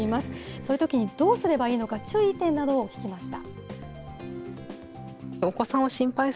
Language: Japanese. そういうときにどうすればいいのか、注意点などを聞きました。